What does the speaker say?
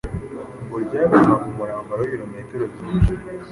ngo ryapimaga umurambararo w’ibirometero byinshi